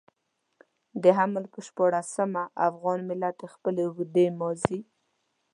د حمل پر شپاړلسمه افغان ملت د خپلې اوږدې ماضي.